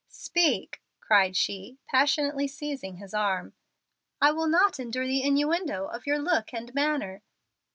"Speak," cried she, passionately seizing his arm. "I will not endure the innuendo of your look and manner."